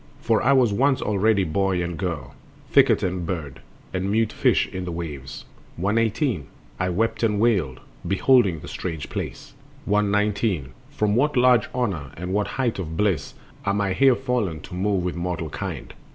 For I was once already boy and girl, Thicket and bird, and mute fish in the waves. This Earth of Ours. 118. I wept and wailed, beholding the strange place. 119. From what large honor and what height of bliss Am I here fallen to move with mortal kind!